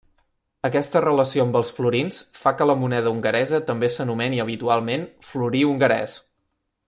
Aquesta relació amb els florins fa que la moneda hongaresa també s'anomeni habitualment florí hongarès.